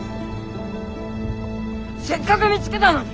せっかく見つけたのに！